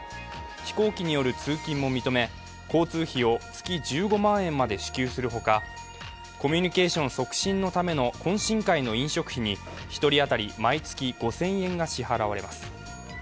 飛行機による通勤も認め、交通費を月１５万円まで支給するほかコミュニケーション促進のための懇親会の飲食費に１人当たり毎月５０００円が支払われます。